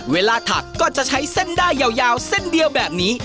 ถักก็จะใช้เส้นได้ยาวเส้นเดียวแบบนี้